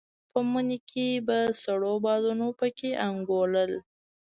په مني کې به سړو بادونو په کې انګولل.